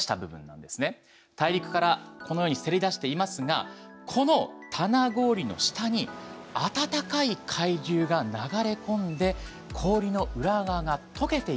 大陸からこのようにせり出していますがこの棚氷の下に暖かい海流が流れ込んで氷の裏側がとけていっている。